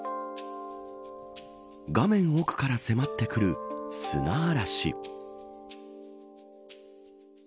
画面奥から迫ってくる砂嵐。